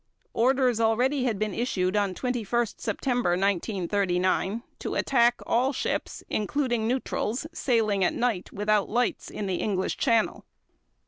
Orders already had been issued on 21 September 1939 to attack all ships, including neutrals, sailing at night without lights in the English Channel.